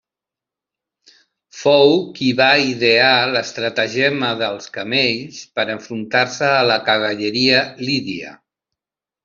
Fou qui va idear l'estratagema dels camells per enfrontar-se a la cavalleria lídia.